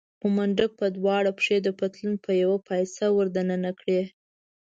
خو منډک به دواړه پښې د پتلون په يوه پایڅه ور دننه کړې.